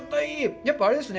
やっぱりあれですね。